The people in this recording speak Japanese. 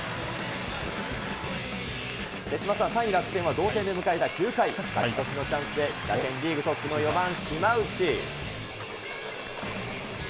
手嶋さん、３位楽天は同点で迎えた９回、勝ち越しのチャンスで、打点リーグトップの４番島内。